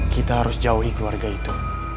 kita harus jauhi keluarga itu